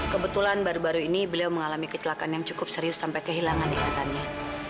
kebetulan baru baru ini beliau mengalami kecelakaan yang cukup serius sampai kehilangan ikatannya